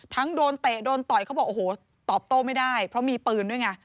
โดนเตะโดนต่อยเขาบอกโอ้โหตอบโต้ไม่ได้เพราะมีปืนด้วยไง